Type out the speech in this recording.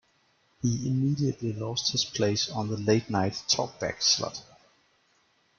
He immediately lost his place on the late-night talkback slot.